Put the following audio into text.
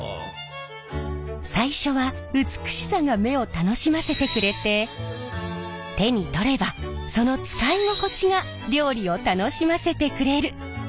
最初は美しさが目を楽しませてくれて手に取ればその使い心地が料理を楽しませてくれる。